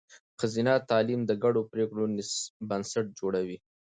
ښځینه تعلیم د ګډو پرېکړو بنسټ جوړوي.